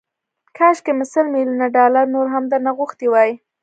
کاشکي مې سل ميليونه ډالر نور هم درنه غوښتي وای